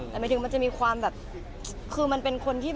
แต่หมายถึงมันจะมีความแบบ